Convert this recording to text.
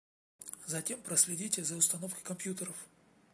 Затем проследите за установкой компьютеров.